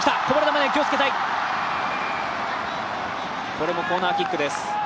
これもコーナーキックです。